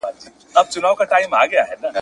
په هیڅ کي نسته مزه شیرینه ,